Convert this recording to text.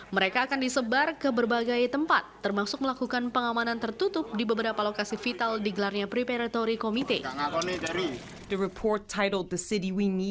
mereka akan disebar ke berbagai tempat termasuk melakukan pengamanan tertutup di beberapa lokasi vital digelarnya preparatory committee